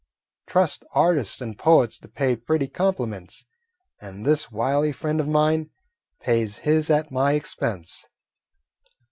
"Trust artists and poets to pay pretty compliments, and this wily friend of mine pays his at my expense."